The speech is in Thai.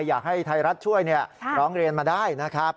อยากให้ไทยรัฐช่วยร้องเรียนมาได้นะครับ